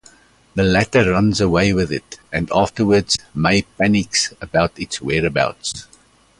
The latter runs away with it, and afterwards, May panics about its whereabouts.